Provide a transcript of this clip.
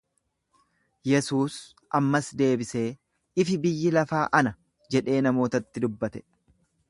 Yesuus ammas deebisee, Ifi biyya lafaa ana jedhee namootatti dubbate.